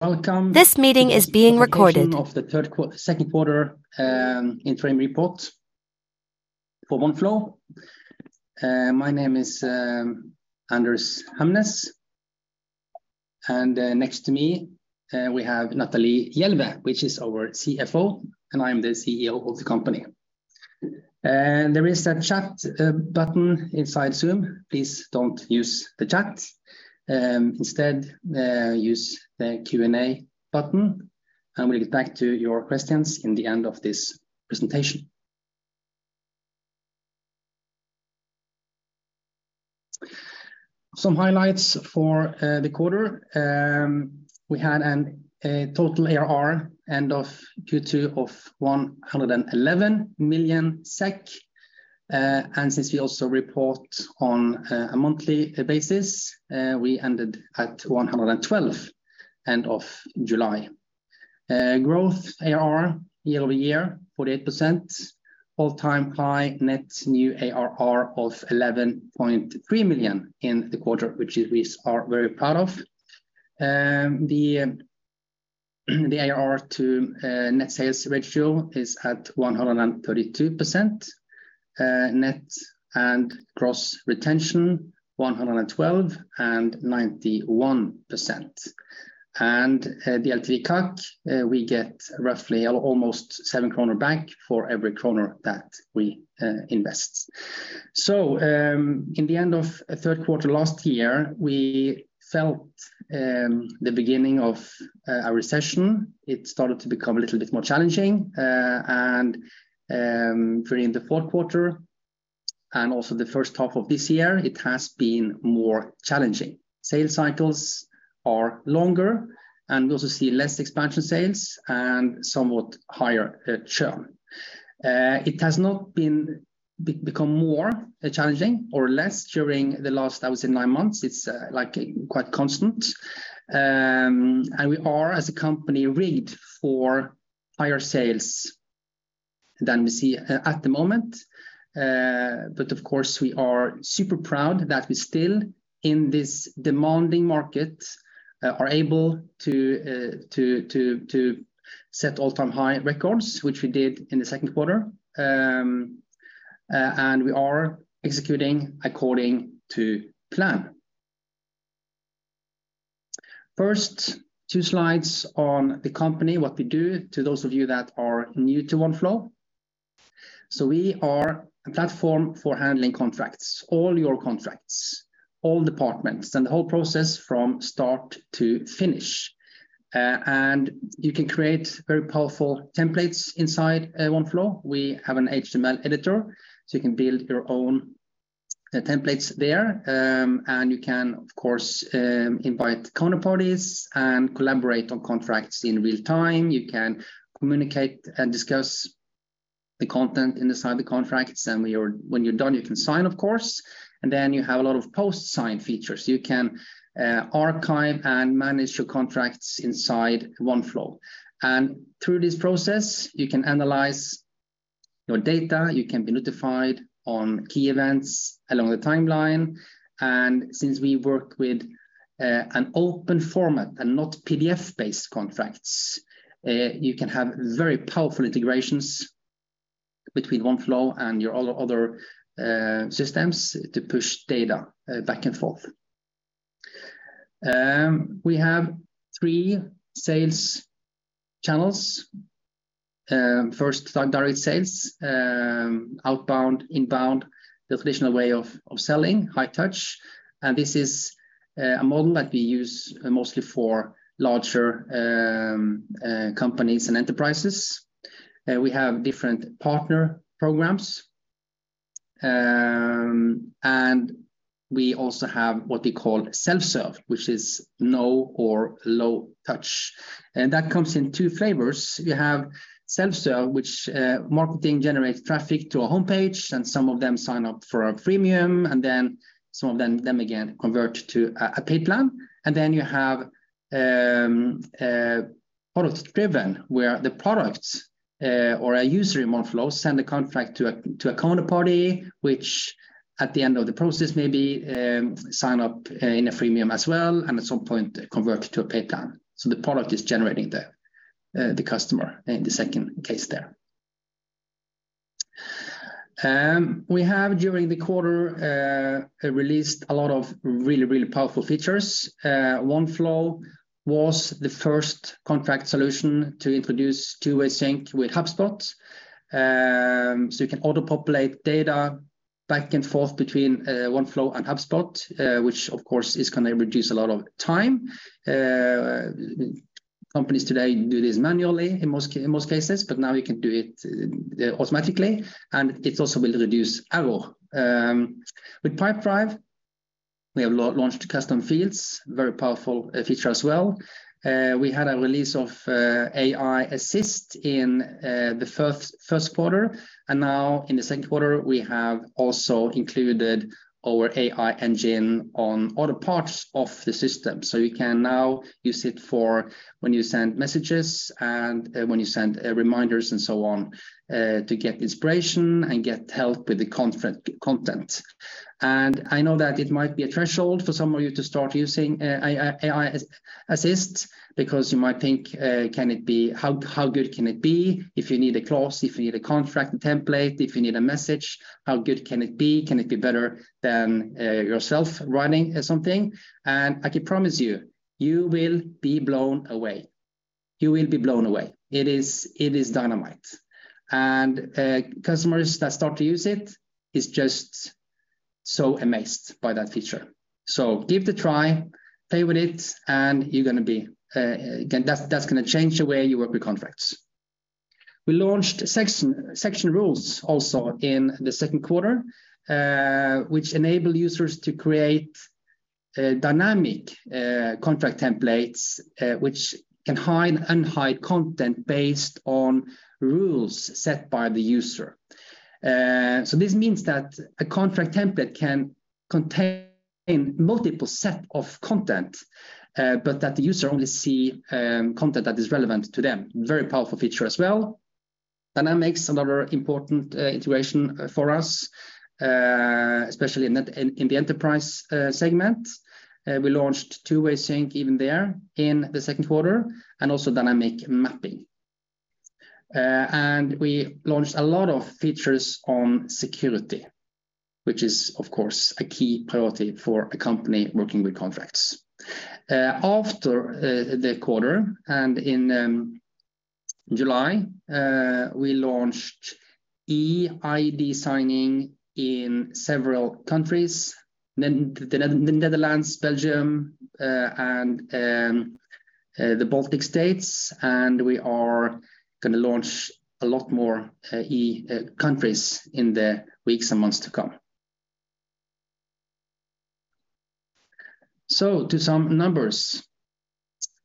Welcome. This meeting is being recorded. Of the Q2 interim report for Oneflow. My name is Anders Hamnes, and next to me, we have Natalie Jelveh, which is our CFO, and I am the CEO of the company. There is a chat button inside Zoom. Please don't use the chat. Instead, use the Q&A button, and we'll get back to your questions in the end of this presentation. Some highlights for the quarter. We had a total ARR end of Q2 of 111 million SEK. Since we also report on a monthly basis, we ended at 112 million SEK end of July. Growth ARR, year-over-year, 48%. All-time high Net New ARR of 11.3 million in the quarter, which we, we are very proud of. The, the ARR to net sales ratio is at 132%. net and gross retention, 112% and 91%. The LTV/CAC, we get roughly almost 7 kroner back for every kroner that we invest. In the end of Q3 last year, we felt the beginning of a recession. It started to become a little bit more challenging, and during the Q4 and also the first half of this year, it has been more challenging. Sales cycles are longer, and we also see less expansion sales and somewhat higher churn. It has not been become more challenging or less during the last, I would say, 9 months. It's like quite constant. We are, as a company, rigged for higher sales than we see at the moment. Of course, we are super proud that we still, in this demanding market, are able to set all-time high records, which we did in the Q2. We are executing according to plan. First, 2 slides on the company, what we do, to those of you that are new to Oneflow. We are a platform for handling contracts, all your contracts, all departments, and the whole process from start to finish. You can create very powerful templates inside Oneflow. We have an HTML editor, so you can build your own templates there. You can, of course, invite counterparties and collaborate on contracts in real time. You can communicate and discuss the content inside the contracts. When you're, when you're done, you can sign, of course. Then you have a lot of post-sign features. You can archive and manage your contracts inside Oneflow. Through this process, you can analyze your data, you can be notified on key events along the timeline. Since we work with an open format and not PDF-based contracts, you can have very powerful integrations between Oneflow and your other, other systems to push data back and forth. We have three sales channels. First, direct sales, outbound, inbound, the traditional way of selling, high touch. This is a model that we use mostly for larger companies and enterprises. We have different partner programs. We also have what we call self-serve, which is no or low touch, and that comes in two flavors. You have self-serve, which marketing generates traffic to a homepage, and some of them sign up for a freemium, and then some of them, them again convert to a, a paid plan. Then you have a product-driven, where the products or a user in Oneflow send a contract to a, to a counterparty, which at the end of the process, maybe, sign up in a freemium as well, and at some point, convert to a paid plan. The product is generating the, the customer in the second case there. We have, during the quarter, released a lot of really, really powerful features. Oneflow was the first contract solution to introduce two-way sync with HubSpot. You can auto-populate data back and forth between Oneflow and HubSpot, which of course, is gonna reduce a lot of time. Companies today do this manually in most cases, but now you can do it automatically, and it also will reduce error. With Pipedrive, we have launched custom fields, very powerful feature as well. We had a release of AI Assist in the Q1. Now in the Q2, we have also included our AI engine on other parts of the system. You can now use it for when you send messages and when you send reminders and so on, to get inspiration and get help with the content. I know that it might be a threshold for some of you to start using AI, AI Assist, because you might think, "How, how good can it be if you need a clause, if you need a contract template, if you need a message? How good can it be? Can it be better than yourself writing something?" I can promise you, you will be blown away. You will be blown away. It is, it is dynamite. Customers that start to use it is just so amazed by that feature. Give it a try, play with it, and you're gonna be... Again, that's, that's gonna change the way you work with contracts. We launched section, section rules also in the Q2, which enable users to create dynamic contract templates, which can hide and unhide content based on rules set by the user. This means that a contract template can contain multiple set of content, but that the user only see content that is relevant to them. Very powerful feature as well. Dynamics, another important integration for us, especially in the enterprise segment. We launched two-way sync even there in the Q2, and also dynamic mapping. We launched a lot of features on security, which is, of course, a key priority for a company working with contracts. After the quarter and in July, we launched eID signing in several countries, the Netherlands, Belgium, and the Baltic States, and we are gonna launch a lot more countries in the weeks and months to come. To some numbers.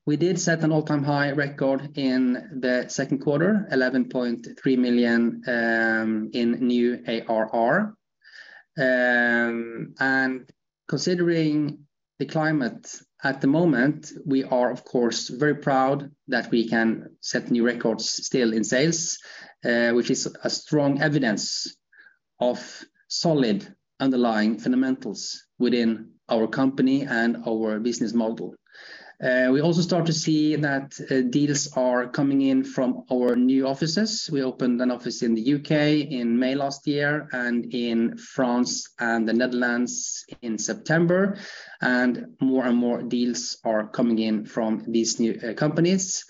We did set an all-time high record in the Q2, 11.3 million in new ARR. Considering the climate at the moment, we are of course, very proud that we can set new records still in sales, which is a strong evidence of solid underlying fundamentals within our company and our business model. We also start to see that deals are coming in from our new offices. We opened an office in the UK in May last year, and in France and the Netherlands in September, and more and more deals are coming in from these new companies.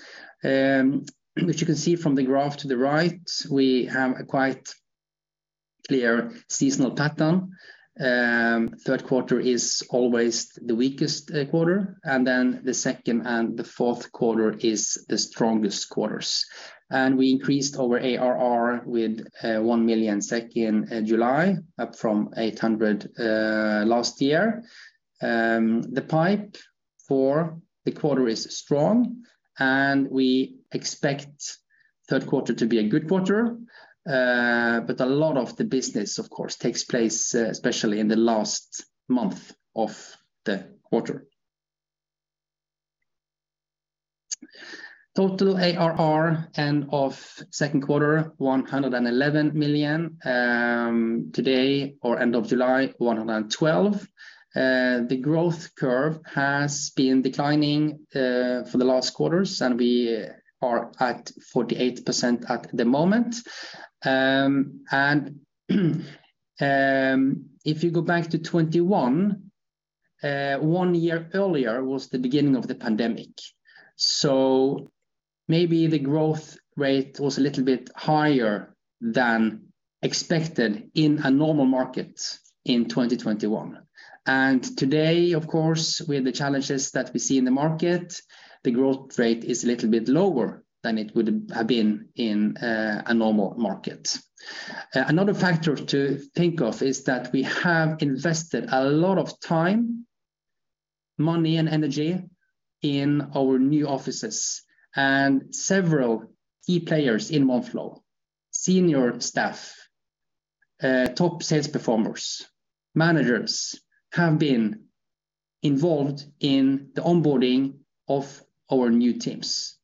Which you can see from the graph to the right, we have a quite clear seasonal pattern. Q3 is always the weakest quarter, then the second and the Q4 is the strongest quarters. We increased our ARR with 1 million SEK in July, up from 800 last year. The pipe for the quarter is strong, we expect Q3 to be a good quarter. A lot of the business, of course, takes place especially in the last month of the quarter. Total ARR end of Q2, 111 million. Today, or end of July, 112 million. The growth curve has been declining for the last quarters, and we are at 48% at the moment. If you go back to 2021, one year earlier was the beginning of the pandemic. Maybe the growth rate was a little bit higher than expected in a normal market in 2021. Today, of course, with the challenges that we see in the market, the growth rate is a little bit lower than it would have been in a normal market. Another factor to think of is that we have invested a lot of time, money, and energy in our new offices, and several key players in Oneflow, senior staff, top sales performers, managers, have been involved in the onboarding of our new teams.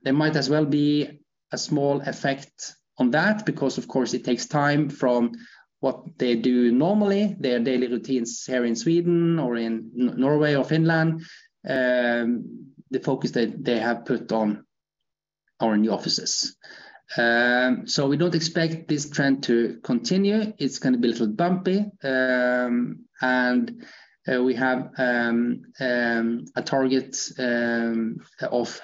There might as well be a small effect on that because, of course, it takes time from what they do normally, their daily routines here in Sweden or in Norway or Finland, the focus that they have put on our new offices. We don't expect this trend to continue. It's gonna be a little bumpy. And we have a target of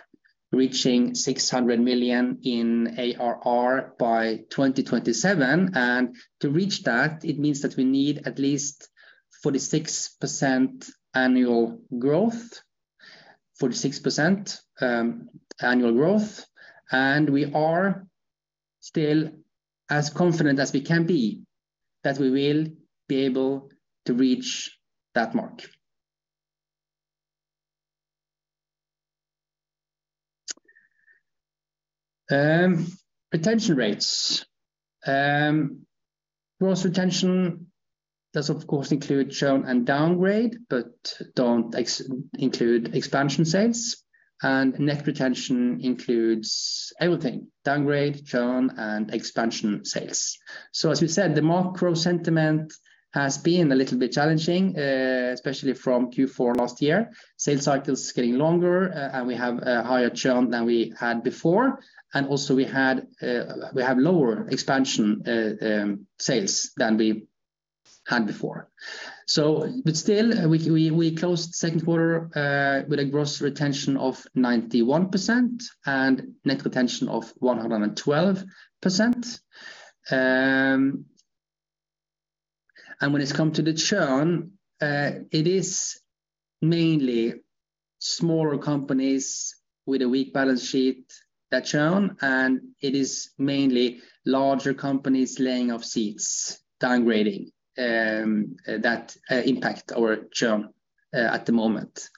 reaching 600 million in ARR by 2027. To reach that, it means that we need at least 46% annual growth. 46% annual growth, and we are still as confident as we can be that we will be able to reach that mark. Retention rates. Gross retention does, of course, include churn and downgrade, but don't include expansion sales. Net retention includes everything, downgrade, churn, and expansion sales. As we said, the macro sentiment has been a little bit challenging, especially from Q4 last year. Sales cycles getting longer, and we have a higher churn than we had before, and also we had, we have lower expansion sales than we had before. But still, we, we, we closed Q2 with a gross retention of 91% and net retention of 112%. When it's come to the churn, it is mainly smaller companies with a weak balance sheet that churn, and it is mainly larger companies laying off seats, downgrading, that impact our churn at the moment.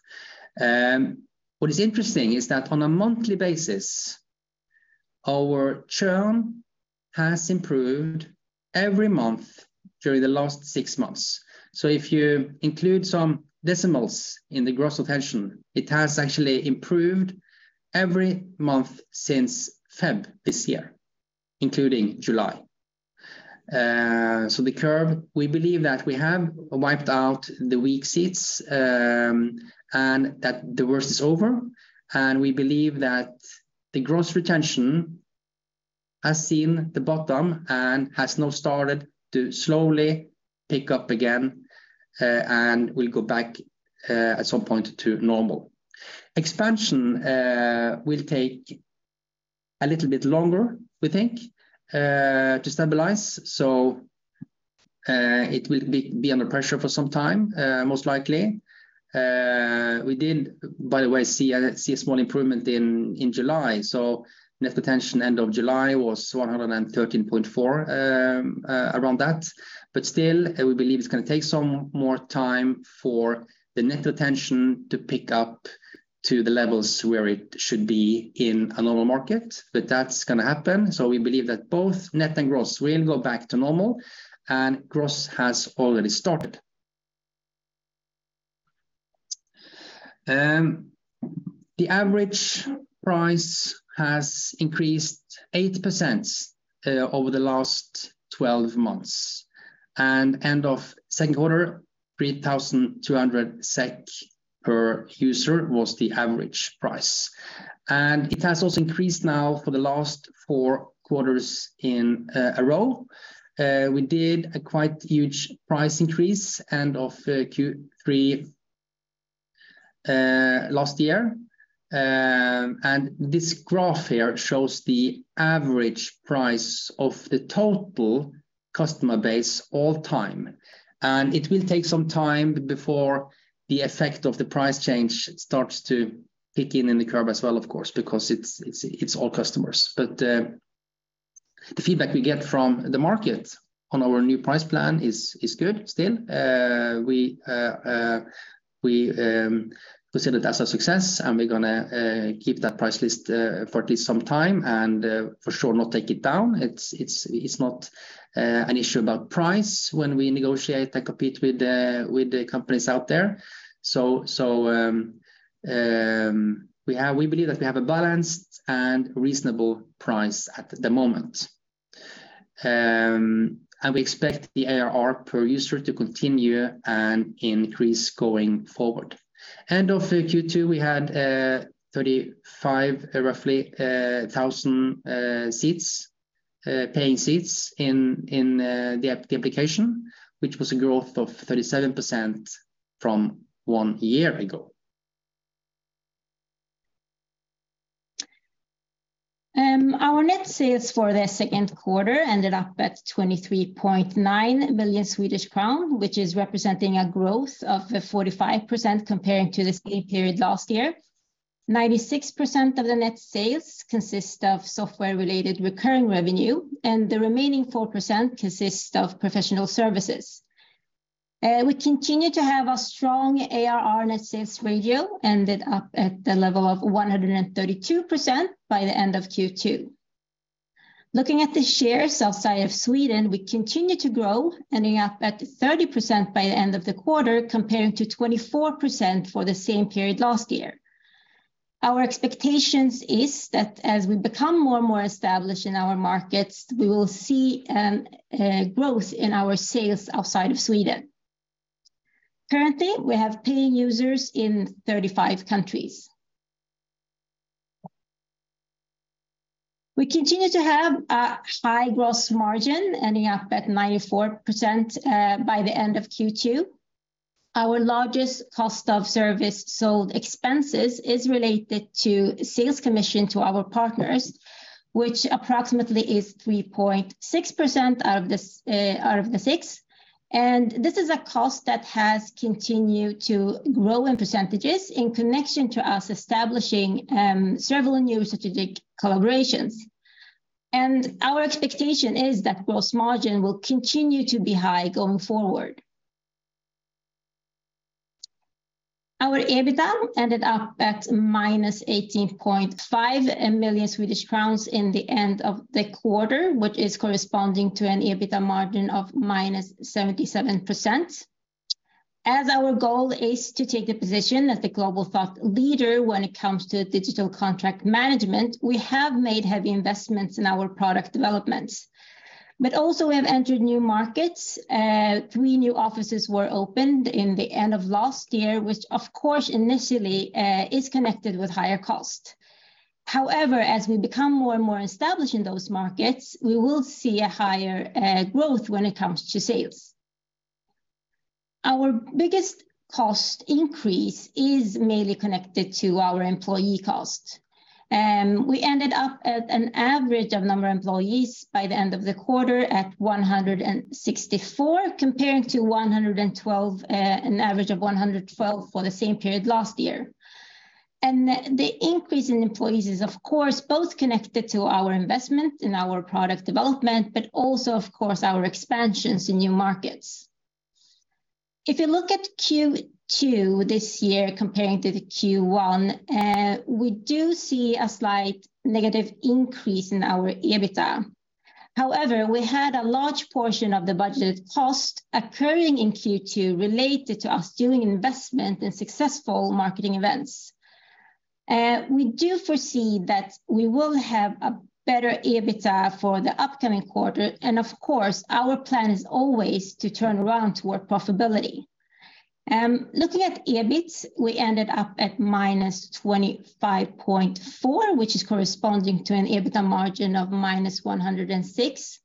What is interesting is that on a monthly basis, our churn has improved every month during the last 6 months. If you include some decimals in the gross retention, it has actually improved every month since February this year, including July. The curve, we believe that we have wiped out the weak seats, and that the worst is over, and we believe that the gross retention has seen the bottom and has now started to slowly pick up again and will go back at some point to normal. Expansion will take a little bit longer, we think, to stabilize, it will be under pressure for some time, most likely. We did, by the way, see a small improvement in July, net retention end of July was 113.4% around that. Still, we believe it's gonna take some more time for the net retention to pick up to the levels where it should be in a normal market, but that's gonna happen. We believe that both net and gross will go back to normal, and gross has already started. The average price has increased 8% over the last 12 months, and end of Q2, 3,200 SEK per user was the average price. It has also increased now for the last 4 quarters in a row. We did a quite huge price increase end of Q3 last year. This graph here shows the average price of the total customer base all time, and it will take some time before the effect of the price change starts to kick in, in the curve as well, of course, because it's, it's, it's all customers. The feedback we get from the market on our new price plan is, is good still. We see that as a success, and we're gonna keep that price list for at least some time, and for sure, not take it down. It's, it's, it's not an issue about price when we negotiate and compete with the, with the companies out there. We believe that we have a balanced and reasonable price at the moment. We expect the ARR per user to continue and increase going forward. End of Q2, we had 35, roughly, thousand seats, paying seats in the application, which was a growth of 37% from 1 year ago. Our net sales for the Q2 ended up at 23.9 million Swedish crown, which is representing a growth of 45% comparing to the same period last year. 96% of the net sales consist of software-related recurring revenue, and the remaining 4% consist of professional services. We continue to have a strong ARR net sales ratio, ended up at the level of 132% by the end of Q2. Looking at the shares outside of Sweden, we continue to grow, ending up at 30% by the end of the quarter, comparing to 24% for the same period last year. Our expectations is that as we become more and more established in our markets, we will see growth in our sales outside of Sweden. Currently, we have paying users in 35 countries. We continue to have a high gross margin, ending up at 94% by the end of Q2. Our largest cost of service sold expenses is related to sales commission to our partners, which approximately is 3.6% out of the 6. This is a cost that has continued to grow in percentages in connection to us establishing several new strategic collaborations. Our expectation is that gross margin will continue to be high going forward. Our EBITDA ended up at -18.5 million Swedish crowns in the end of the quarter, which is corresponding to an EBITDA margin of -77%. As our goal is to take the position as the global thought leader when it comes to digital contract management, we have made heavy investments in our product developments. Also we have entered new markets. Three new offices were opened in the end of last year, which of course, initially, is connected with higher cost. However, as we become more and more established in those markets, we will see a higher growth when it comes to sales. Our biggest cost increase is mainly connected to our employee cost. We ended up at an average of number of employees by the end of the quarter at 164, comparing to 112, an average of 112 for the same period last year. The increase in employees is, of course, both connected to our investment in our product development, but also, of course, our expansions in new markets. If you look at Q2 this year comparing to the Q1, we do see a slight negative increase in our EBITDA. We had a large portion of the budgeted cost occurring in Q2 related to us doing investment in successful marketing events. We do foresee that we will have a better EBITDA for the upcoming quarter, and of course, our plan is always to turn around toward profitability. Looking at EBIT, we ended up at minus 25.4, which is corresponding to an EBITDA margin of minus 106%.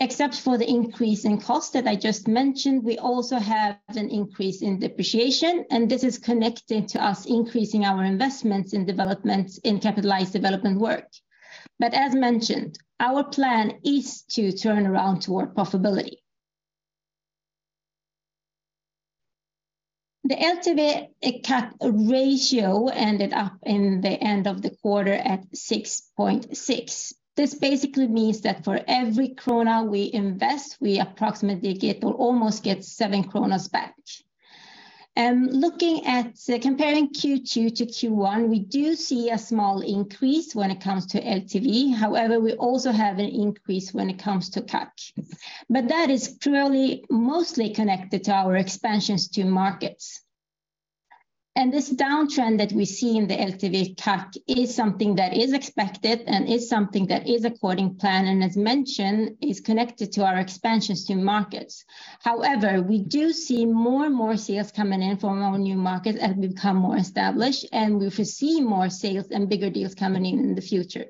Except for the increase in cost that I just mentioned, we also have an increase in depreciation, and this is connected to us increasing our investments in development, in capitalized development work. As mentioned, our plan is to turn around toward profitability. The LTV/CAC ratio ended up in the end of the quarter at 6.6. This basically means that for every SEK 1 we invest, we approximately get or almost get 7 kronor back. Looking at comparing Q2 to Q1, we do see a small increase when it comes to LTV. We also have an increase when it comes to CAC, but that is clearly mostly connected to our expansions to markets. This downtrend that we see in the LTV/CAC is something that is expected and is something that is according plan, and as mentioned, is connected to our expansions to markets. We do see more and more sales coming in from our new markets as we become more established, and we foresee more sales and bigger deals coming in in the future.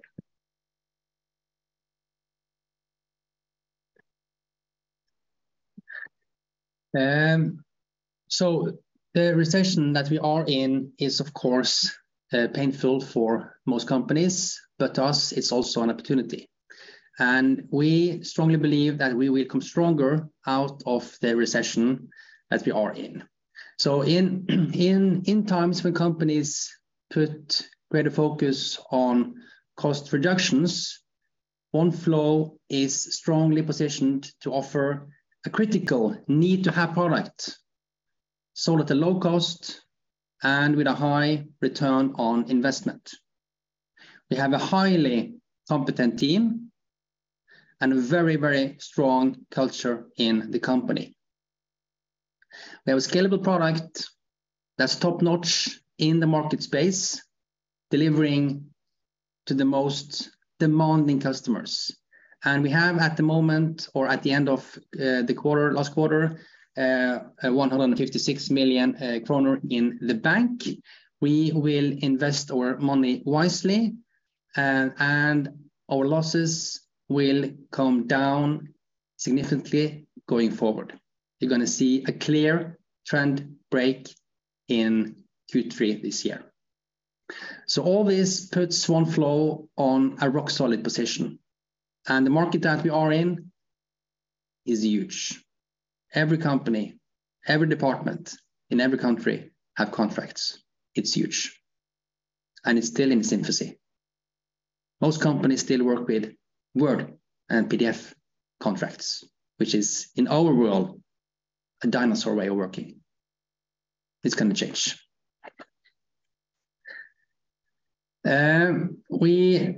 The recession that we are in is, of course, painful for most companies, but to us, it's also an opportunity. We strongly believe that we will come stronger out of the recession that we are in. In, in, in times when companies put greater focus on cost reductions, Oneflow is strongly positioned to offer a critical need-to-have product, sold at a low cost and with a high return on investment. We have a highly competent team and a very, very strong culture in the company. We have a scalable product that's top-notch in the market space, delivering to the most demanding customers. We have, at the moment, or at the end of, the quarter, last quarter, 156 million kronor in the bank. We will invest our money wisely, and our losses will come down significantly going forward. You're gonna see a clear trend break in Q3 this year. All this puts Oneflow on a rock-solid position, and the market that we are in is huge. Every company, every department in every country have contracts. It's huge, and it's still in its infancy. Most companies still work with Word and PDF contracts, which is, in our world, a dinosaur way of working. It's gonna change. We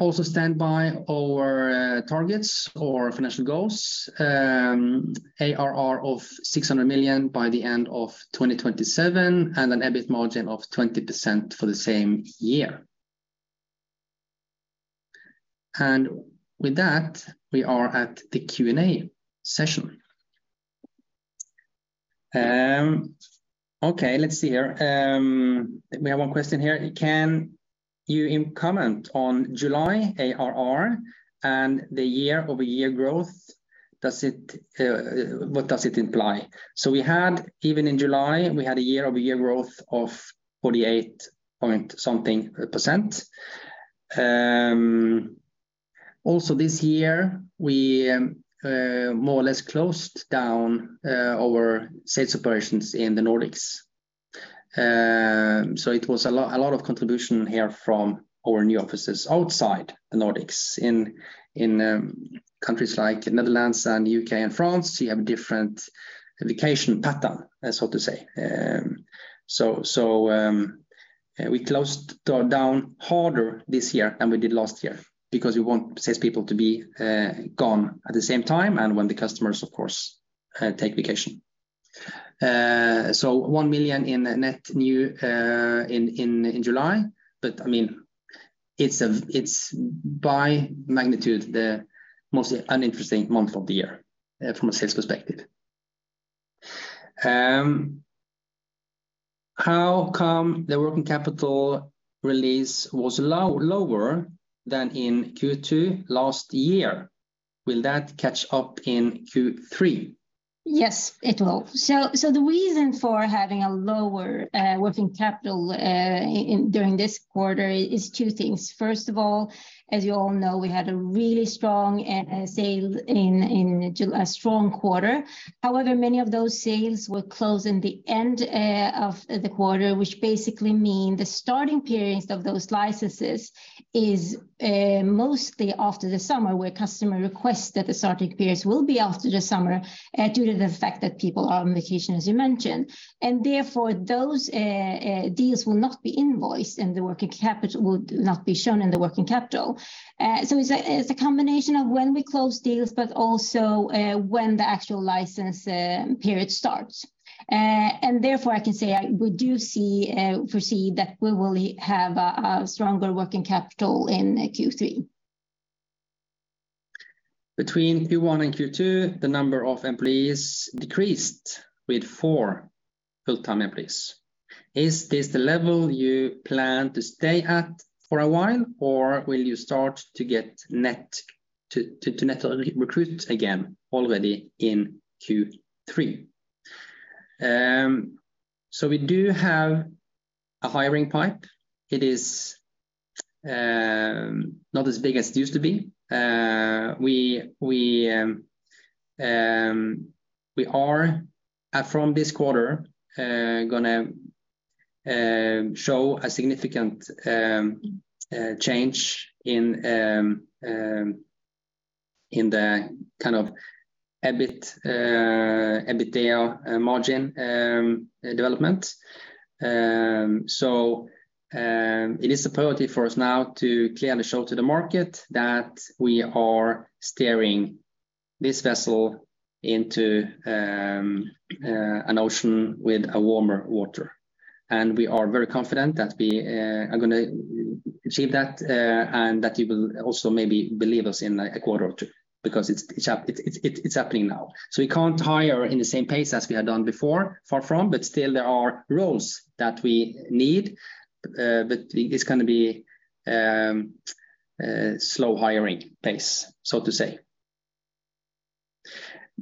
also stand by our targets, our financial goals, ARR of 600 million by the end of 2027, and an EBIT margin of 20% for the same year. With that, we are at the Q&A session. Okay, let's see here. We have one question here: "Can you comment on July ARR and the year-over-year growth? Does it, what does it imply? We had, even in July, we had a year-over-year growth of 48.something%. Also this year, we, more or less closed down our sales operations in the Nordics. It was a lot, a lot of contribution here from our new offices outside the Nordics. In, in countries like Netherlands, and UK, and France, you have different vacation pattern, so to say. So, we closed down harder this year than we did last year, because we want sales people to be gone at the same time and when the customers, of course, take vacation. 1 million in net new in, in, in July, but, I mean, it's by magnitude, the most uninteresting month of the year from a sales perspective. How come the working capital release was lower than in Q2 last year? Will that catch up in Q3? Yes, it will. The reason for having a lower working capital during this quarter is two things. First of all, as you all know, we had a really strong sale in a strong quarter. However, many of those sales were closed in the end of the quarter, which basically mean the starting periods of those licenses is mostly after the summer, where customer requests that the starting periods will be after the summer due to the fact that people are on vacation, as you mentioned. Therefore, those deals will not be invoiced, and the working capital will not be shown in the working capital. It's a combination of when we close deals, but also when the actual license period starts. Therefore, I can say, we do see, foresee that we will have a, a stronger working capital in Q3. Between Q1 and Q2, the number of employees decreased with 4 full-time employees. Is this the level you plan to stay at for a while, or will you start to get net recruit again already in Q3? We do have a hiring pipe. It is not as big as it used to be. We are from this quarter gonna show a significant change in the kind of EBIT, EBITDA margin development. It is a priority for us now to clearly show to the market that we are steering this vessel into an ocean with a warmer water. We are very confident that we are gonna achieve that, and that you will also maybe believe us in, like, a quarter or two, because it's, it's happening now. We can't hire in the same pace as we had done before, far from, but still there are roles that we need. But it's gonna be a slow hiring pace, so to say.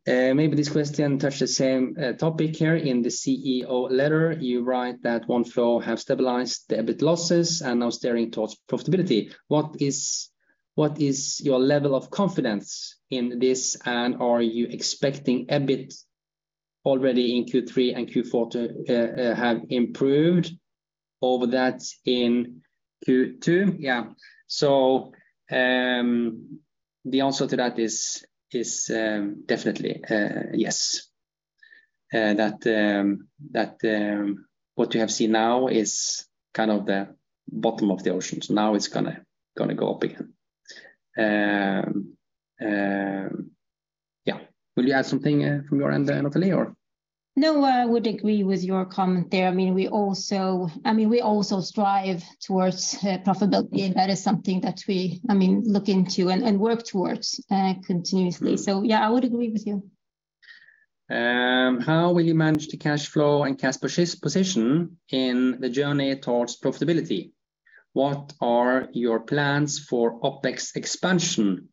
Maybe this question touch the same topic here. In the CEO letter, you write that Oneflow have stabilized the EBIT losses and now steering towards profitability. What is your level of confidence in this, and are you expecting EBIT already in Q3 and Q4 to have improved over that in Q2? Yeah. The answer to that is definitely yes. That, that, what you have seen now is kind of the bottom of the ocean. Now it's gonna, gonna go up again. Yeah. Will you add something, from your end, Natalie, or? No, I would agree with your comment there. I mean, we also I mean, we also strive towards profitability, and that is something that we, I mean, look into and, and work towards continuously. Mm-hmm. Yeah, I would agree with you. How will you manage the cash flow and cash position in the journey towards profitability? What are your plans for Opex expansion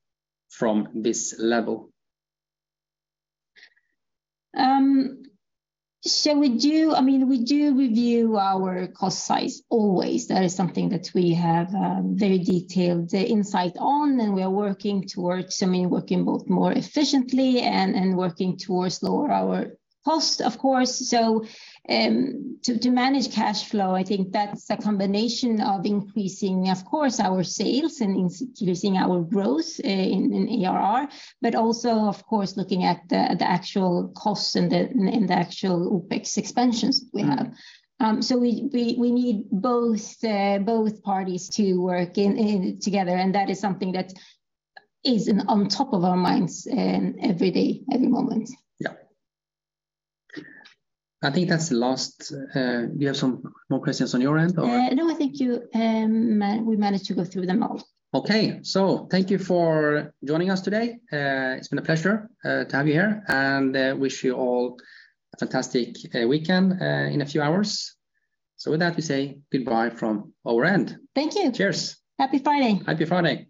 from this level? We do, I mean, we do review our cost size always. That is something that we have very detailed insight on, and we are working towards, I mean, working both more efficiently and, and working towards lower our cost, of course. To, to manage cash flow, I think that's a combination of increasing, of course, our sales and increasing our growth in ARR, but also, of course, looking at the, the actual costs and the, and the actual Opex expansions we have. Mm-hmm. We, we, we need both parties to work in, in together, and that is something that is in on top of our minds, every day, every moment. Yeah. I think that's the last... Do you have some more questions on your end, or? No, I think you, we managed to go through them all. Okay. Thank you for joining us today. It's been a pleasure to have you here, and wish you all a fantastic weekend in a few hours. With that, we say goodbye from our end. Thank you! Cheers. Happy Friday. Happy Friday.